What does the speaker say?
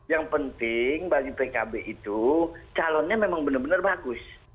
yang penting bagi pkb itu calonnya memang benar benar bagus